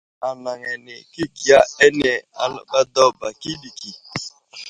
Anaŋ ane kəbiya ane aləɓay daw ba ɗikiɗiki.